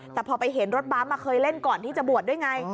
แต่พอไปเห็นรถบั๊มเคยเล่นก่อนที่จะบวชด้วยไง